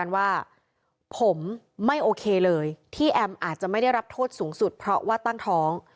ว่าผมไม่โอเคเลยที่แอมอาจจะไม่ได้รับโทษสูงสุดเพราะว่าตั้งท้อง